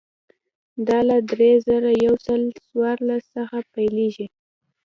دا له درې زره یو سل څوارلس څخه پیلېږي.